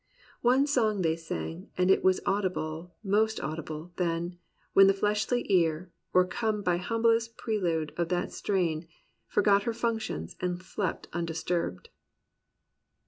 One song they sang, and it was audible. Most audible, then, when the fleshly ear, O'ercome by humblest prelude of that strain. Forgot her functions and slept undisturbed."